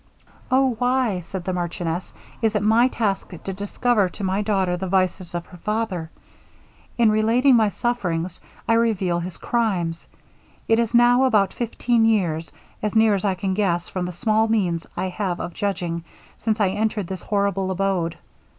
'Oh! why,' said the marchioness, 'is it my task to discover to my daughter the vices of her father? In relating my sufferings, I reveal his crimes! It is now about fifteen years, as near as I can guess from the small means I have of judging, since I entered this horrible abode.